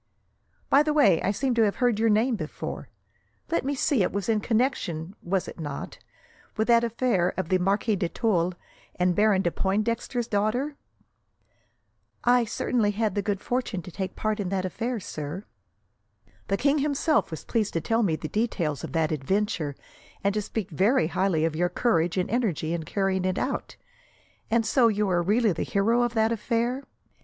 "By the way, I seem to have heard your name before. Let me see, it was in connection, was it not, with that affair of the Marquis de Tulle and Baron de Pointdexter's daughter?" "I certainly had the good fortune to take part in that affair, sir." "The king himself was pleased to tell me the details of that adventure, and to speak very highly of your courage and energy in carrying it out. And so, you are really the hero of that affair?